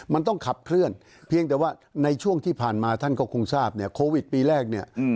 มันต้องขับเคลื่อนเพียงแต่ว่าในช่วงที่ผ่านมาท่านก็คงทราบเนี่ยโควิดปีแรกเนี่ย